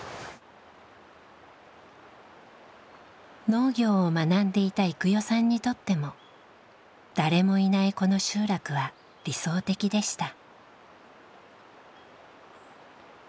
農業を学んでいた郁代さんにとっても誰もいないこの集落は理想的でした。